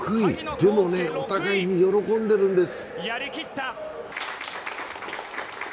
でもねお互いに喜んでいるんです。